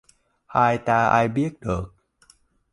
Hai ta ai biết được